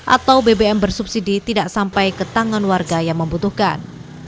atau bbm bersubsidi tidak sampai ke tangan warga yang membutuhkan